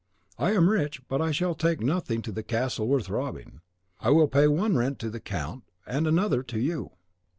I am rich; but I shall take nothing to the castle worth robbing. I will pay one rent to the count, and another to you.